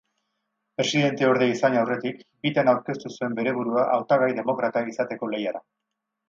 Presidenteorde izan aurretik bitan aurkeztu zuen bere burua hautagai demokrata izateko lehiara.